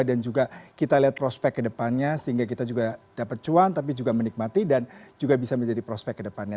dan juga kita lihat prospek kedepannya sehingga kita juga dapat cuan tapi juga menikmati dan juga bisa menjadi prospek kedepannya